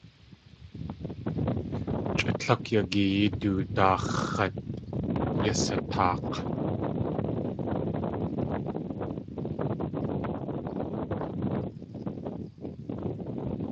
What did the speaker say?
Chʼa tlákw yagiyee du daax̲ x̲at yasataak̲.